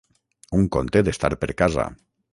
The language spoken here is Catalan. Un conte d’estar per casa.